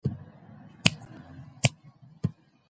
که ماشوم ستونزه لري، مرحلې په مرحله مرسته یې وکړئ.